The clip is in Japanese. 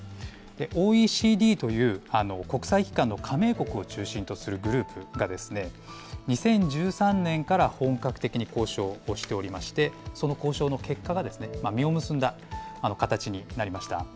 ＯＥＣＤという国際機関の加盟国を中心とするグループがですね、２０１３年から本格的に交渉をしておりまして、その交渉の結果がですね、実を結んだ形になりました。